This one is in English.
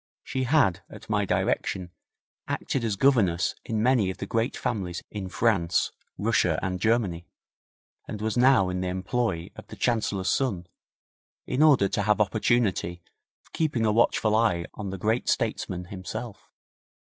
She had, at my direction, acted as governess in many of the great families in France, Russia and Germany, and was now in the employ of the Chancellor's son, in order to have opportunity of keeping a watchful eye on the great statesman himself.